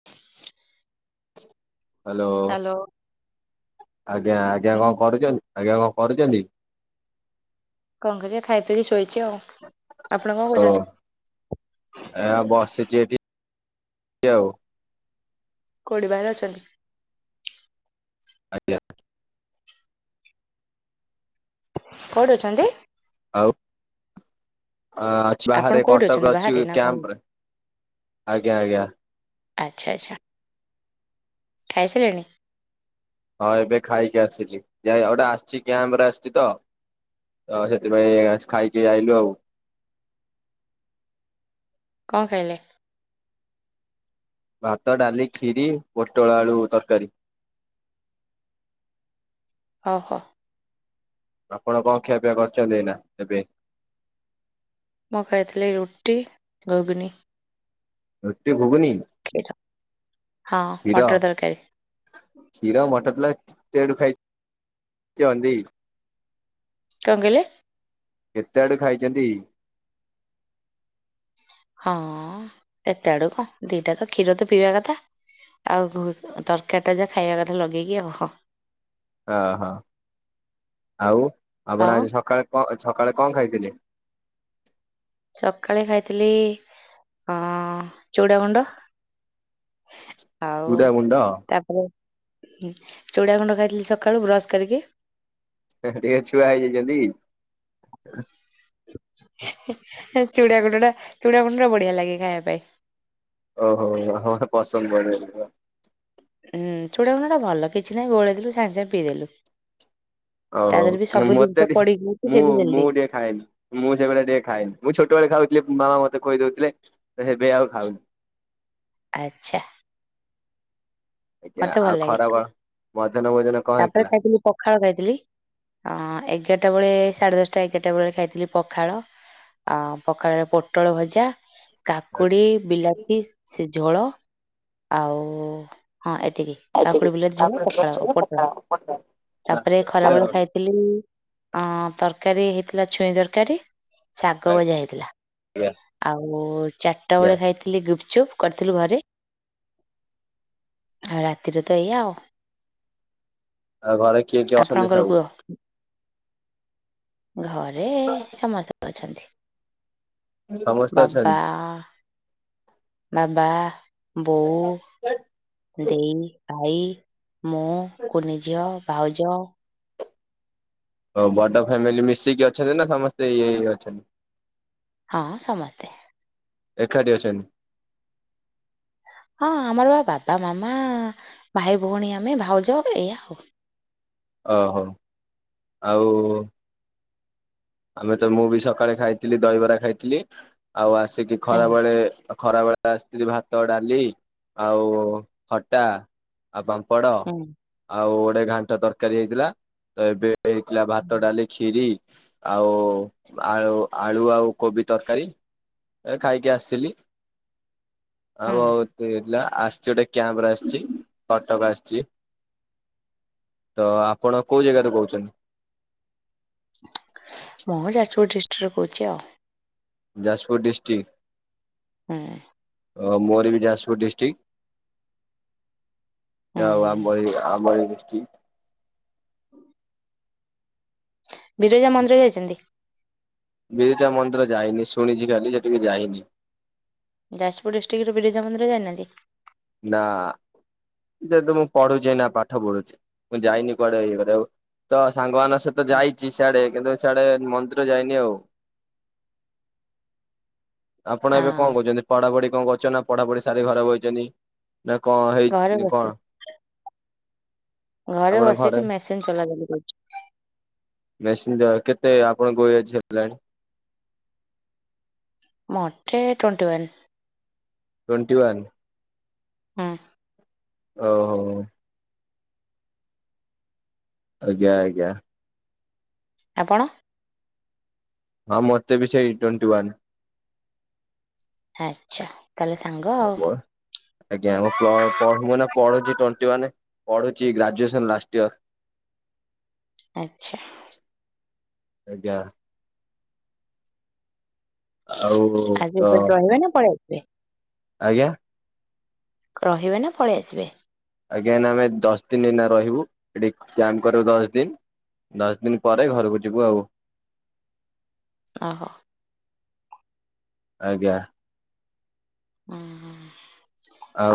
[inaudible] Hello hello ଆଜ୍ଞା ଆଜ୍ଞା ହୁଁ କଣ କରୁଚନ୍ତି? ଆଜ୍ଞା କଣ କରୁଚନ୍ତି? କଣ କରିବା ଖାଇ ପିଇକି ଶୋଇଛି ଆଉ। ଆପଣ କଣ ଓ କରୁଛନ୍ତି ଆ ବସିଛି ଏଠି ଏମତି ଆଉ। କୋଉଠି ବାହାରେ ଅଛନ୍ତି? ଆଜ୍ଞା। କୋଉଠି ଅଛନ୍ତି? ଆଉ ଆଁ ଆପଣ ସାହାରେ କୋଉଠି ଅଛନ୍ତି କଟକ ଅଛି ବାହାରେ ନା କଣ କ୍ୟାମ୍ପ ରେ ଆଜ୍ଞା ଆଜ୍ଞା। ଆଚ୍ଛା ଆଚ୍ଛା ଖାଇ ସାଇଲେଣି? ହଁ ଏବେ ଖାଇକି ଆସିଲି ଯାଇ ଆଟେ ଆସିଛି କ୍ୟାମ୍ପ ରେ ଆସିଚି ତ। ତ ସେଥିପାଇଁ ଆଜ୍‌ ଖାଇକି ଆଇଲୁ ଆଉ। କଣ ଖାଇଲେ? ଭାତ ଡାଲି ଖିରୀ ପୋଟଳ ଆଳୁ ତରକାରୀ। ଅହୋ। ଆପଣ କଣ ଖିଆପିଆ କରିଛନ୍ତି ଏଇନା ଏବେ? ମୁଁ ଖାଇଥିଲି ରୁଟି ଘୁଗୁନି। ରୁଟି ଘୁଗୁନି। କ୍ଷୀର ହଁ କ୍ଷୀର ମଟର ତରକାରୀ। କ୍ଷୀର ମଟର କେଏଁଠୁ ଚନ୍ତି? କଣ କଇଲେ? କେତେ ଆଡୁ ଖାଇଚନ୍ତି? ହଁ ଏତେ ଆଡୁ କଣ ଦିଟା ତ କ୍ଷୀର ତ ପିଇବା କଥା। ଆଉ ଘୁ ତରକାରୀ ଟା ଯା ଖାଇବା କଥା ଲଗେଇକି ଆଉ। ଓହୋ ଆଉ ଆପଣ ଆଉ ଆଜି ସକାଳେ କ ସକାଳେ କଣ ଖାଇଥିଲେ? ସକାଳେ ଖାଇଥିଲି ଅ ଚୁଡାଗୁଣ୍ଡ। [inaudible] ଆଉ ଗୁଣ୍ଡ ତାପରେ ଚୁଡ଼ା ଗୁଣ୍ଡ ଖାଇଥିଲି ସକାଳୁ ବ୍ରସ୍ କରିକି। ଏ ହେ ଟିକେ ଛୁଆ ହେଇଯାଇଚନ୍ତି କି? ହେ ହେ ଚୁଡ଼ା ଗୁଣ୍ଡ ଟା ଚୁଡ଼ା ଗୁଣ୍ଡ ଟା ବଢିଆ ଲାଗେ ଖାଇବା ପାଇଁ। ଓହୋ ହଁ ପସନ୍ଦ ବୋଧେ। ଉୁଁ ଚୁଡା ଗୁଣ୍ଡଟା ଭଲ କିଛି ନାହିଁ ଗୋଳେଇ ଦେଲୁ ସାଙ୍ଗେ ସାଙ୍ଗେ ପିଇଦେଲୁ। ତା ଓହୋ ଆଗେରେ ସବୁ ଜିନିଷ ପଡିକି ହୋଉଛି ସେ ବି ହେଲ୍ଦି। ଖାଇନି ମୁଁ ସେଗୁରା ଟିକେ ଖାଏନି ମୁଁ ଛୋଟବେଳେ ଖାଉଥିଲି ମାମା ମତେ ଖୋଇ ଦୋଉଥିଲେ ହେଇତି ପାଇଁ ଆଉ ଖାଉନି। ଆଚ୍ଛା। ଆଜ୍ଞା ମତେ ଭଲ ଆଉ ଲାଗେ ଖରାବ ମଧ୍ୟାହ୍ନ ଭୋଜନ କଣ ତାପରେ ହେଇଥିଲା? ଖାଇଥିଲି ପଖାଳ ଖାଇଥିଲି ଅ ଏଗାରଟା ବେଳେ ସାଢେ ଦଶଟା ଏଗାରଟା ବେଳେ ଖାଇଥିଲି ପଖାଳ। ଅ ପଖାଳରେ ପୋଟଳ ଭଜା ଆଜ୍ଞା କାକୁଡି ବିଲାତି ସେ ଝୋଳ ଆଉ ହଁ ଏତିକି। କାକୁଡି ବିଲାତି ଝୋଳ ପଖାଳ ପୋଟଳ ତାପରେ ଆଜ୍ଞା ଖରାବେଳେ ଖାଇ ଥିଲି ଆଁ ତରକାରୀ ହେଇଥିଲା ଛୁଇଁ ତରକାରୀ। ଶାଗ ଆଜ୍ଞା ଭଜା ହେଇଥିଲା। ଆଉ ଚାରିଟା ବେଳେ ଖାଇଥିଲି ଗୁପଚୁପ୍ କରିଥିଲୁ ଘରେ। ଆଉ ରାତିରେ ତ ଏଇଆ ଆଉ। ଆଉ ଘରେ କିଏ କିଏ ଅଛନ୍ତି ଆପଣଙ୍କର ସବୁ? କୁହ ଘରେ ସମସ୍ତେ ଅଛନ୍ତି। ସମସ୍ତେ ବାବା ଅଛନ୍ତି? ମାମା। ବୋଉ ଦେଇ ଭାଈ ମୁଁ କୁନି ଝିଅ ଭାଉଜ। ହଉ ବଡ ଫ୍ୟାମିଲି ମିଶିକି ଅଛନ୍ତିନା ସମସ୍ତେ ଇଏ ଅଛନ୍ତି? ହଁ ସମସ୍ତେ। ଏକାଠି ଅଛନ୍ତି? ହଁ ଆମର ବା ବାବା ମାମା ଭାଇ ଭଉଣୀ ଆମେ ଭାଉଜ ଏଇଆ ଆଉ। ଓହୋ। ଆଉ ଆମେ ତ ମୁଁ ବି ସକାଳେ ଖାଇଥିଲି ଦହିବରା ଖାଇଥିଲି। ଆଉ ଆସିକି ହୁଁ ଖରାବେଳେ ଖରାବେଳେ ଆସିଥିଲି ଭାତ ଡାଲି ଆଉ ଖଟା ଆଉ ପାମ୍ପଡ ହୁଁ ଆଉ ଗୋଟେ ଘାଣ୍ଟ ତରକାରୀ ହେଇଥିଲା ତ ଏବେ ହେଇଥିଲା ଭାତ ଡାଲି ଖିରି। ଆଉ ଆଳୁ ଆଳୁ ଆଉ କୋବି ତରକାରୀ। ଏ ଖାଇକି ଆସିଲି ହୁଁ ଆଉ ଆଉ ହେଇଥିଲା ଆସିଛି ଗୋଟେ କ୍ୟାମ୍ପରେ ଆସିଛି କଟକ ଆସିଛି। ତ ଆପଣ କୋଉ ଜାଗାରୁ ରହୁଛନ୍ତି। ମୁଁ ଯାଜପୁର ଡିଷ୍ଟ୍ରିକରୁ କହୁଛି ଆଉ। ଯାଜପୁର ଡିଷ୍ଟ୍ରିକ୍। ହଁ। ଓ ମୋର ବି ଯାଜପୁର ଡିଷ୍ଟିକ୍। ହୁଁ ଯାଅ ହୋଉ ଆମ ଭଳି ଆମରି ଡିଷ୍ଟିକ। ବିରଜା ମନ୍ଦିର ଯାଇଛନ୍ତି? ବିରଜା ମନ୍ଦିର ଯାଇନି ଶୁଣିଛି ଖାଲି ସେଠିକି ଯାଇନି। ଯାଜପୁର ଡିଷ୍ଟ୍ରିକର ବିରଜା ମନ୍ଦିର ଯାଇନାହାନ୍ତି। ନା ଯେହେତୁ ମୁଁ ପଢୁଛି ନା ପାଠ ପଢୁଛି ମୁଁ ଯାଇନି କୁଆଡେ ଇଏ କରିବାକୁ ତ ସାଙ୍ଗମାନଙ୍କ ସହିତ ଯାଇଛି ସିଆଡେ କିନ୍ତୁ ସିଆଡେ ମନ୍ଦିର ଯାଇନି ଆଉ। ଆପଣ ଏବେ ହଁ କଣ କରୁଛନ୍ତି ପଢାପଢି କଣ କରୁଛନ୍ତି ନା ପଢାପଢି ସାରି ଘରେ ବଇଛନ୍ତି? ନା କଣ ହେଇ ଘରେ ଇଏ ବସି କଣ? ଘରେ ବସିକି ମେସିନ୍ ଚଲାଚୁଲି କରୁଛି। ମେସିନ୍ ଟା କେତେ ଆପଣଙ୍କୁ ଏଜ ହେଲାଣି। ମତେ ଟ୍ୱେଣ୍ଟି ୱାନ୍। ଟ୍ୱେଣ୍ଟିୱାନ୍। ହଁ। ଓହୋ। ଆଜ୍ଞା ଆଜ୍ଞା। ଆପଣ? ହଁ ମତେ ବି ସେଇ ଟ୍ୱେଣ୍ଟି ୱାନ୍ ଆଚ୍ଛା। କାଲି ସାଙ୍ଗ ଆ ଆଉ। ଆଜ୍ଞା ଆମ ମ ପ୍ଲ ପଢ଼ୁ ପଢ଼ୁଛି ଟୋଣ୍ଟିୱାନେ ପଢ଼ୁଛି ଗ୍ରାଜୁଏସନ୍ ଲାଷ୍ଟ ଇୟର। ଆଚ୍ଛା। ଆଜ୍ଞା। ଆଉ ତ ଆଜି ଏ ରହିବେ ନା ପଳେଇବେ? ଆଜ୍ଞା? ରହିବେ ନା ପଳି ଆସିବେ। ଆଜ୍ଞା ଏନା ଆମେ ଦଶ ଦିନ ଏନା ରହିବୁ ଏଠି କ୍ୟାମ୍ପ କରିବୁ ଦଶ ଦିନ। ଦଶ ଦିନି ପରେ ଘରକୁ ଯିବୁ ଆଉ। ଓହୋ। ଆଜ୍ଞା। ଉଁ ହୁଁ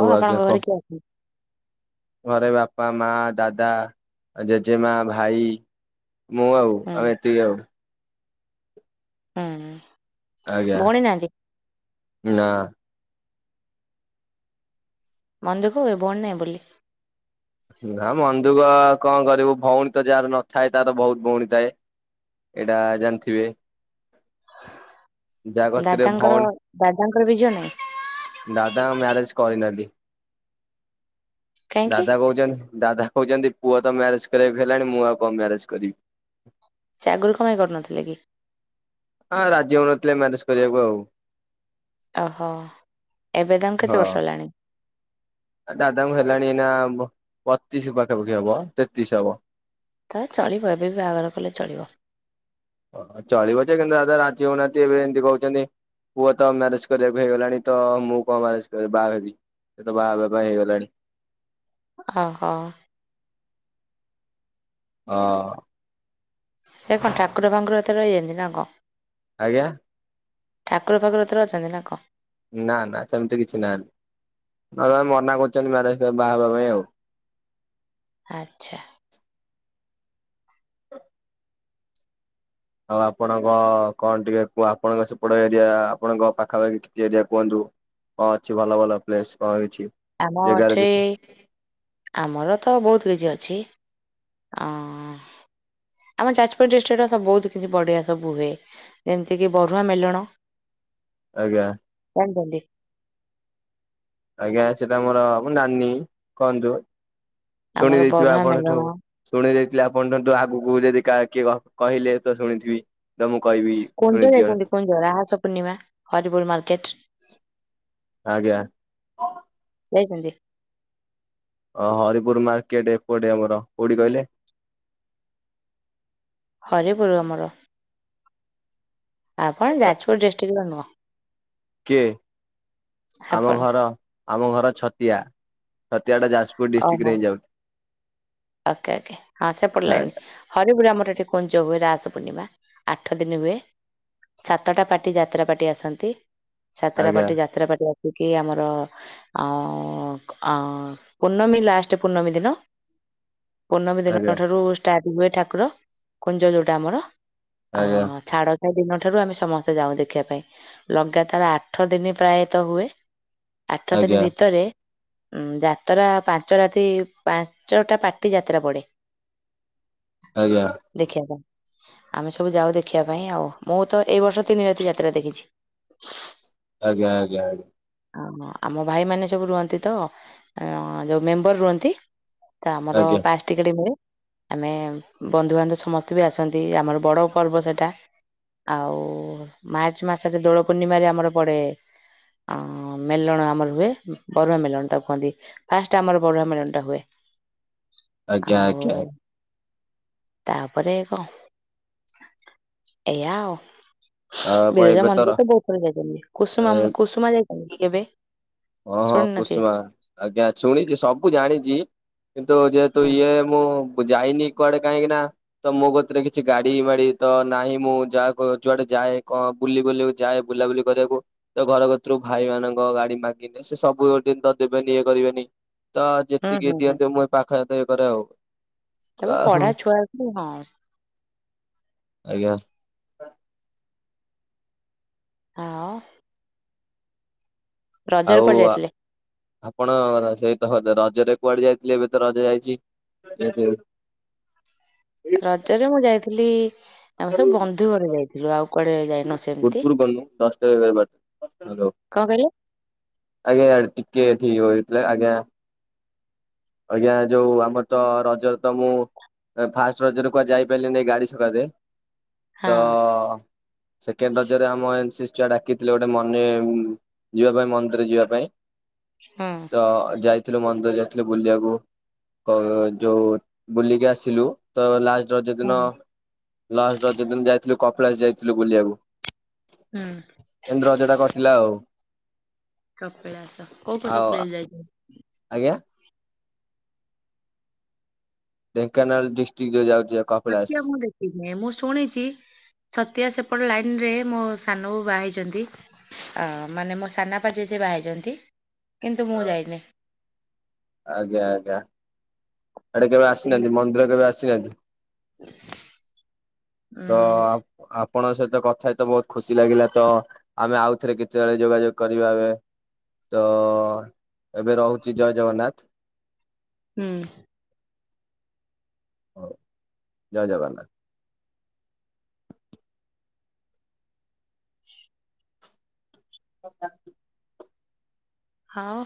ଆଉ ଆଜ୍ଞା ଆପଣଙ୍କ କ ଘରେ [unintelligible] ଘରେ ବାପା ମା ଦାଦା ଆ ଜେଜେମା ଭାଇ ମୁଁ ଆଉ ହୁଁ ଆମେ ଏତିକି ଆଉ। ଉଁ ଉଁ। ଆଜ୍ଞା ନାଁ। ମନ୍ ଦୁଖ ହୁଏ ଭଉଣୀ ନାହିଁ ବୋଲି? ନା ମନ୍ଦୁକ କଣ କରିବୁ ଭଉଣୀ ତ ଯାହାର ନଥାଏ ତାର ବଉତ୍ ଭଉଣୀ ଥାଏ। ଏଇଟା ଜାଣିଥିବେ। ଯାହା କତିରେ ଦାଦାଙ୍କର ଭଉଣୀ ଦାଦାଙ୍କର ବି ଝିଅ ନାଇଁ? ଦାଦାଙ୍କ ମ୍ୟାରେଜ କରିନାହାନ୍ତି। କାହିଁକି ଦାଦା କହୁଛନ୍ ଦାଦା କହୁଛନ୍ତି ପୁଅ ତ ମ୍ୟାରେଜ କରିବାକୁ ହେଲାଣି ମୁଁ ଆଉ କଣ ମ୍ୟାରେଜ କରିବି? ସେ ଆଗରୁ କଁପାଇଁ କରୁନଥିଲେ କି? ହଁ ରାଜି ହଉନଥିଲେ ମ୍ୟାରେଜ କରିବାକୁ ଆଉ। ଓହୋ ଏବେ ତାଙ୍କୁ କେତେ ବର୍ଷ ହେଲାଣି? ଦାଦାଙ୍କୁ ହେଲାଣି ଏଇନା ବତିଶି ପାଖାପାଖି ହବ ତେତିଶି ହବ। ତ ଚଳିବ ଏବେ ବି ବାହାଘର କଲେ ଚଳିବ। ଓ ଚଳିବ ଜେ କିନ୍ତୁ ଦାଧା ରାଜି ହଉନାହାନ୍ତି ଏବେ ଏମିତି କହୁଛନ୍ତି। ପୁଅ ତ ମ୍ୟାରେଜ କରିବାକୁ ହେଇଗଲାଣି ତ ମୁଁ କଣ ମ୍ୟାରେଜ କରିବି ବାହା ହେବି। ହେ ତ ବାହାହବା ପାଇଁ ହେଇଗଲାଣି। ହ ହୋ। ଅ ସେ କଣ ଠାକୁର ଫାଙ୍କୁର ଏତେ ରହିଯାନ୍ତି ନା କ? ଆଜ୍ଞା? ଠାକୁର ଫାକୁର ଥିରେ ଅଛନ୍ତି ନା କ? ନା ନା ସେମିତି କିଛି ନାହାନ୍ତି ଦାଦା ମନା କରୁଛନ୍ତି ମ୍ୟାରେଜ ପାଇଁ ବାହା ହବା ପାଇଁ ଆଉ। ଆଚ୍ଛା। [inaudible] ଆଉ ଆପଣଙ୍କ କଣ ଟିକେ କୁ ଆପଣଙ୍କ ସେପଟ ଏରିଆ ଆପଣଙ୍କ ପାଖାପାଖି ଟିକେ ଏରିଆ କୁହନ୍ତୁ। କଣ ଅଛି ଭଲ ଭଲ ପ୍ଲେସ୍ କଣଛି? ଆମ ଏଠି ଆମର ତ ବହୁତ କିଛି ଅଛି ଅଁ ଆମ ଯାଜପୁର ଡିଷ୍ଟ୍ରିକ୍ଟ ର ସ ବହୁତ କିଛି ବଢ଼ିଆ ସବୁ ହୁଏ। ଯେମିତିକି ବରୁଆ ମେଲଣ। ଆଜ୍ଞା। [unintelligible] ଆଜ୍ଞା ସେଟା ମୋର ମୋ ନାନୀ କହନ୍ତୁ ଆମର ଶୁଣି ଦେଇଥିବେ ବରୁହାଁ ଆପଣ ମେଲଣ ଠୁ ଶୁଣି ଦେଇଥିଲେ ଆପଣ ଣ୍ଟଠୁ ଆଗକୁ ଯଦି କା କିଏ କ କହିଲେ ତ ଶୁଣିଥିବି। ତ ମୁଁ କହିବି କୁଣ୍ଡ ଶୁଣିଛି ଯାଇଛନ୍ତି ଜଣକୁ କୁଣ୍ଡ ରାହାସ ପୂର୍ଣ୍ଣିମା ହରିପୁରୁ ମାର୍କେଟ? ଆଜ୍ଞା। ଯାଇଛନ୍ତି। ଅ ହରିପୁର ମାର୍କେଟ ଏପଟେ ଆମର କୋଉଠି କହିଲେ? ହରେ ପରୁ ଆମର। ଆପଣ ଯାଜପୁର ଡିଷ୍ଟ୍ରିକ୍ଟର ନୁହଁ? କିଏ ଆମ ଆପଣ ଘର ଆମ ଘର ଛତିଆ। ଛତିଆଟା ଯାଜପୁର ଡିଷ୍ଟ୍ରିକ୍ଟ ଓହୋ ରେ ହିଁ ଯାଉଛି। ଓକେ ଓକେ ହଁ ସେପଡ଼ିଲଣି। ହରିପୁର ଆମର ଏଠି କୁଞ୍ଜ ହୁଏ ରାସ ପୂର୍ଣ୍ଣିମା, ଆଠ ଦିନ ହୁଏ। ସାତଟା ପାର୍ଟି ଯାତ୍ରା ପାର୍ଟି ଆସନ୍ତି, ସାତଟା ଆଜ୍ଞା ପାର୍ଟି ଯାତ୍ରା ପାର୍ଟି କି ଆମର ଆ ପୂର୍ଣ୍ଣମୀ ଲାଷ୍ଟ ପୂର୍ଣ୍ଣମୀ ଦିନ। ପୂର୍ଣ୍ଣମୀ ଦିନ ଆଜ୍ଞା ଠାରୁ ଷ୍ଟାର୍ଟ ହୁଏ ଠାକୁର କୁଞ୍ଜ ଯୋଉଟା ଆମର, ଆ ଆଜ୍ଞା ଛାଡ ଦିନ ଠାରୁ ଆମେ ସମସ୍ତେ ଯାଉ ଦେଖିବା ପାଇଁ ଲଗାତାର ଆଠ ଦିନ ପ୍ରାୟତଃ ହୁଏ। ଆଠ ଦିନ ଆଜ୍ଞା ଭିତରେ ଯାତ୍ରା ପାଞ୍ଚ ରାତି ପା ଞ୍ଚଟା ପାଟି ଯାତ୍ରା ପଡ଼େ। ଆଜ୍ଞା। ଦେଖିବା ପାଇଁ। ଆମେ ସବୁ ଯାଉ ଦେଖିବା ପାଇଁ ଆଉ ମୁଁ ତ ଏଇ ବର୍ଷ ତିନି ରାତି ଯାତ୍ରା ଦେଖିଛି। ଆଜ୍ଞା ଆଜ୍ଞା ଆ୍ଞା। ଓ ଆମ ଭାଇ ମାନେ ସବୁ ରୁହନ୍ତି ତ ଯୋଉ ମେମ୍ବର ରୁହନ୍ତି। ତ ଆମର ଆଜ୍ଞା ପାସ ଟିକେଟି ମିଳେ ଆମେ ବନ୍ଧୁବାନ୍ଧବ ସମସ୍ତେ ବି ଆସନ୍ତି ଆମର ବଡ ପର୍ବ ସେଟା। ଆଉ ମାର୍ଚ୍ଚ ମାସରେ ଦୋଳ ପୂର୍ଣ୍ଣିମାରେ ଆମର ପଡ଼େ। ଆ ମେଲଣ ଆମର ହୁଏ, ବରୁଆ ମେଲଣ ତାକୁ କୁହନ୍ତି। ଫାଷ୍ଟ ଆମର ବରୁଆ ମେଳନଟା ହୁଏ। ଆଜ୍ଞା ଆଜ୍ଞା ଆଉ ତାପରେ କଣ ଏଇଆଉ। ଆଉ ଆପଣ ବିରଜା ଏବେ ତର ମନ୍ଦିର ତ ବହୁତ ଥର ଯାଇଛନ୍ତି, କୁସୁମା କୁସୁମା ଯାଇଛନ୍ତି କେବେ? ଓଁ ହଁ ଶୁଣିନଥିବେ କୁସୁମା ଆଜ୍ଞା ଶୁଣିଛି ସବୁ ଜାଣିଛି। କିନ୍ତୁ ଯେହେତୁ ହୁଁ ଇଏ ମୁଁ ଯାଇନି କୁଆଡେ କାହିଁକି ନା ତ ମୋ କତିରେ କିଛି ଗାଡି ମାଡି ତ ନାହିଁ ମୁଁ ଯାହା ଯୁଆଡେ ଯାଏ କଣ ବୁଲି ବୁଲକୁ ଯାଏ ବୁଲାବୁଲି କରିବାକୁ ତ ଘର କତରୁ ଭାଇ ମାନଙ୍କ ଗାଡି ମା ସେ ସବୁବେଳେ ଦ ତ ଦେବେନି ଇଏ କରିବେନି, ତ ହୁଁ ଯେତିକି ହୁଁ ହୁଁ ଦିଅନ୍ତି ମୁଁ ପାଖାତ ଇଏ କରେ ଆଉ। ତ ଏବେ ହଁ ପଢା ଛୁଆକୁ ହଁ। ଆଜ୍ଞା। ଆଉ ରଜରେ କୁଆଡେ ଆଉ ଯାଇଥିଲେ ଆପଣ ସେଇତ ରଜରେ କୁଆଡେ ଯାଇଥିଲେ ଏବେ ତ ରଜ ଯାଇଛି? ରଜରେ ମୁଁ ଯାଇଥିଲି ଆମେ ସବୁ ବନ୍ଧୁ ଘରକୁ ଯାଇଥିଲୁ ଆଉ କୁଆଡ଼େ ଯାଇ ହାଲୋ। କଣ କହିଲେ ଆଜ୍ଞା ଟିକେ ଏଠି ୱେଟରେ ଆଜ୍ଞା। ଆଜ୍ଞା ଯୋଉ ଆମର ତ ରଜ ତ ମୁଁ ଫାଷ୍ଟ ରଜରେ କୁଆଡେ ଯାଇପାରିଲିନି ଗାଡି ସକାସେ, ତ ହଁ ସେକେଣ୍ଡ ରଜରେ ଆମ ଏନସିସି ଛୁଆ ଡାକିଥିଲେ ଗୋଟେ ମନେ ଯିବା ପାଇଁ ମନ୍ଦିରରେ ଯିବା ପାଇଁ। ହଁ। ଅ ଯାଇଥିଲୁ ମନ୍ଦିର ଯାଇଥିଲୁ ବୁଲିବାକୁ, ଯୋଉ ବୁଲିକି ଆସିଲୁ। ତ ଲାଷ୍ଟର ରଜ ଦିନ ହଁ। ଲାଷ୍ଟ ରଜ ଦିନ ଯାଇଥିଲୁ କପିଳାସ ଯାଇଥିଲୁ ବୁଲିବାକୁ। ହୁଁ। ଏମିତି ରଜ ଟା କଟିଲା ଆଉ। କପିଳାସ କଉ କଉ ସବୁ ଆଉ ପ୍ଲେସ ଯାଇଛନ୍ତି? ଆଜ୍ଞା? ଢେଙ୍କାନାଳ ଡିଷ୍ଟିକିରେ ଯାଉଛି ଆଉ। ଛଆତି ମୁଁ ଦେଖିନି ମୁଁ ଶୁଣିଚି ଛତିଆ ସେପଟ ଲାଇନ୍ ରେ ମୋ ସାନ ବୋଉ ବାହା ହେଇଛନ୍ତି। ଅ ମାନେ ମୋ ସାନଆପା ଜେଜେ ବାହାରିଛନ୍ତି କିନ୍ତୁ ମୁଁ ଯାଇନି। ଆଜ୍ଞା ଆଜ୍ଞା ଏଡେ କେବେ ଆସିନାହାନ୍ତି ମନ୍ଦିର କେବେ ଆସିନାହାନ୍ତି? ଉଁ ତ ଆପ ଆପଣଙ୍କ ସହିତ କଥ ହେଇ ତ ବହୁତ୍ ଖୁସି ଲାଗିଲା ତ ଆମେ ଆଉଥରେ କେତେବେଳେ ଯୋଗାଯୋଗ କରିବା ଏବେ ତ ଏବେ ରହୁଚି ଜୟ ଜଗନ୍ନାଥ। ହୁଁ। ହଉ ଜୟ ଜଗନ୍ନାଥ। [unintelligible] ଆଉ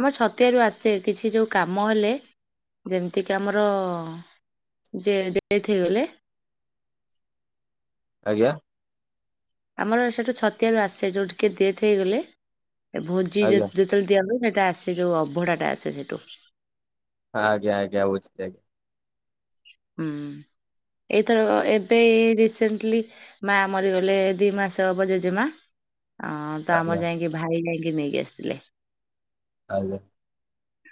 ଆମର ଛତିଆରୁ ଆସେ କିଛି ଯୋଉ କାମ ହେଲେ। ଯେମିତି କି ଆମର ଯେ ଡେଥ ହେଇଗଲେ। ଆଜ୍ଞା? ଆମର ସେଠୁ ଛତିଆ ରୁ ଆସେ ଯୋଉ କିଏ ଦେଥ ହେଇଗଲେ ଭୋଜି ଜେ ଆଜ୍ଞା ଜେ ଯେତେ ଦିଅନ୍ତୁ ସେଟା ଆସେ ଯୋଉ ଅଭଡା ଟା‌ ଆସେ ସେଟୁ। ଆଜ୍ଞା ଆଜ୍ଞା ବୁଝିଲି ଆଜ୍ଞା। ହୁଁ ଏଇଥର ଏବେ ଏଇ ରିସେଣ୍ଟିଲି ମା ମରିଗଲେ ଦି ମାସ ହବ ଜେଜେ ମା ଅ ତ ଆମର ଆଜ୍ଞା ଯାଇକି ଭାଇ ଯାଇକି ନେଇକି ଆସିଥିଲେ। ଆଜ୍ଞା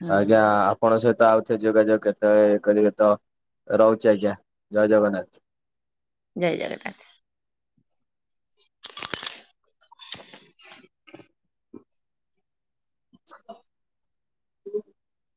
ହୁଁ ଆଜ୍ଞା ଆପ ଆପଣଙ୍କ ସହିତ ଆଉ ଥରେ ଯୋଗାଯୋଗ କେତେବେଳେ କରିବେ ତ ରହୁଛି ଆଜ୍ଞା ଜୟ ଜଗନ୍ନାଥ। ଜୟ ଜଗନ୍ନାଥ। [unintelligible]